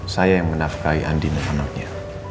saya yang menafkai andi dan anaknya